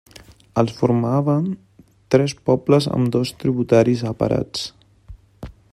Els formaven tres pobles amb dos tributaris separats.